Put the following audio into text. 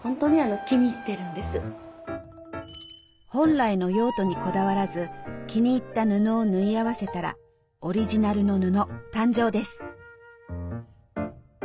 本来の用途にこだわらず気に入った布を縫い合わせたらオリジナルの布誕生です。